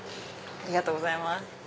ありがとうございます。